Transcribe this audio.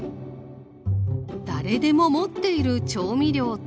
誰でも持っている調味料とは？